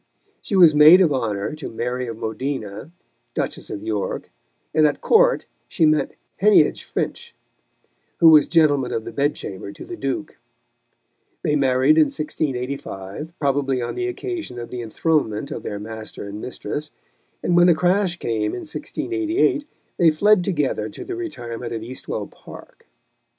She was maid of honour to Mary of Modena, Duchess of York, and at Court she met Heneage Finch, who was gentleman of the bed chamber to the Duke. They married in 1685, probably on the occasion of the enthronement of their master and mistress, and when the crash came in 1688, they fled together to the retirement of Eastwell Park.